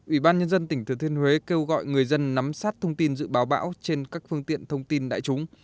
ủy ban nhân dân tỉnh thừa thiên huế kêu gọi người dân nắm sát thông tin dự báo bão trên các phương tiện thông tin đại chúng